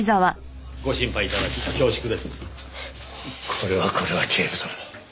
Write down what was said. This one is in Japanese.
これはこれは警部殿。